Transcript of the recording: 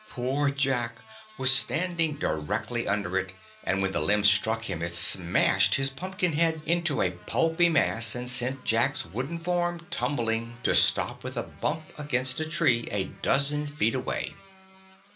Poor Jack was standing directly under it and when the limb struck him it smashed his pumpkin head into a pulpy mass and sent Jack's wooden form tumbling, to stop with a bump against a tree a dozen feet away.